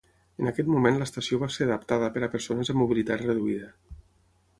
En aquest moment l'estació va ser adaptada per a persones amb mobilitat reduïda.